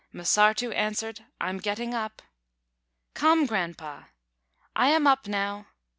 M'Sārtū answered: "I'm getting up." "Come, Grandpa!" "I am up now."